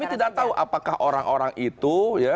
kita tidak tahu apakah orang orang itu ya